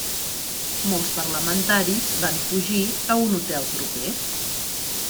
Molts parlamentaris van fugir a un hotel proper.